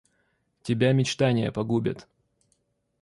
Тебя мечтания погубят.